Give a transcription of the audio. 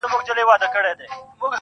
ژوند له باور نه ځواکمن وي.